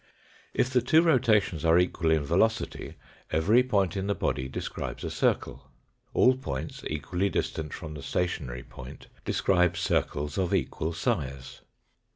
If the two rotations are equal in velocity, every point in the body describes a circle. All points equally distant from the stationary point describe circles of equal size.